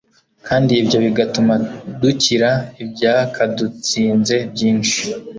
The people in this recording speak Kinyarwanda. kandi ibyo bigatuma dukira ibyakadutsinze byinshi.